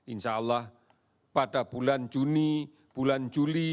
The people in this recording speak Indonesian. insyaallah pada bulan juni bulan juli